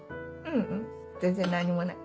ううん全然何もない。